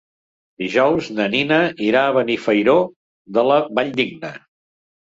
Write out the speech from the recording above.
Dijous na Nina irà a Benifairó de la Valldigna.